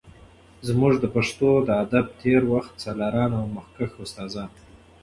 زمونږ د پښتو د ادب د تیر وخت سالاران او مخکښ استادان